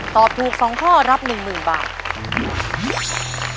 ตอบถูก๒ข้อรับ๑๐๐๐บาท